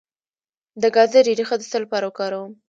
د ګازرې ریښه د څه لپاره وکاروم؟